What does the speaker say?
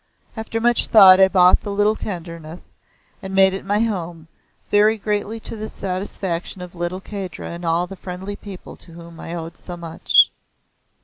After much thought I bought the little Kedarnath and made it my home, very greatly to the satisfaction of little Kahdra and all the friendly people to whom I owed so much.